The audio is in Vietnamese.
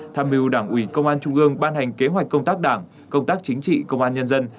tham mưu đảng ủy công an trung ương ban hành kế hoạch công tác đảng công tác chính trị công an nhân dân